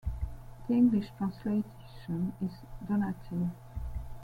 The English translation is "donative".